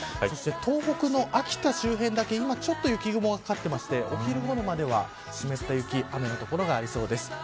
そして東北の秋田周辺だけ今ちょっと雪雲がかかっていましてお昼ごろまでは湿った雪雨の所がありそうです。